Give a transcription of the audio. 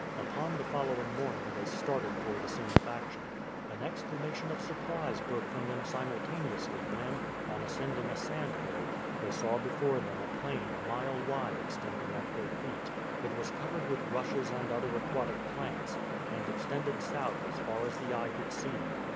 Upon the following morning they started for the scene of action. An exclamation of surprise broke from them simultaneously when, on ascending a sandhill, they saw before them a plain a mile wide extending at their feet. It was covered with rushes and other aquatic plants, and extended south as far as the eye could see.